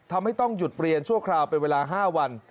ทำให้ต้องหยุดเรียนชั่วคราวไปเวลา๕วัน